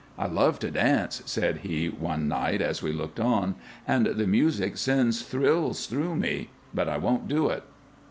"I love to dance," said he, one night, as we looked on, "and the music sends thrills through me, but I won't do it."